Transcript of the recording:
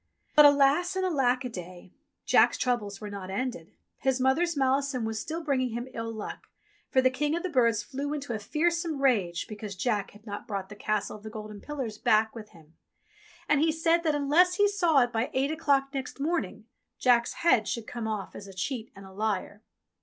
But alas and alack a day ! Jack's troubles were not ended ; his mother's malison was still bringing him ill luck, for the King of the Birds flew into a fearsome rage because Jack had not brought the Castle of the golden pillars back 52 ENGLISH FAIRY TALES with him. And he said that unless he saw it by eight o'clock next morning Jack's head should come off as a cheat and a liar.